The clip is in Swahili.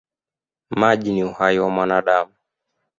Maji ni uhai wa mwanadamu.